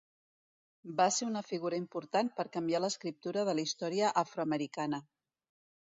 Va ser una figura important per canviar l'escriptura de la història afroamericana.